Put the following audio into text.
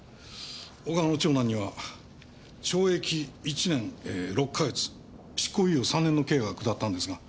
小川の長男には懲役１年６か月執行猶予３年の刑が下ったんですが。